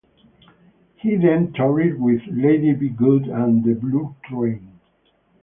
He then toured with "Lady Be Good" and "The Blue Train".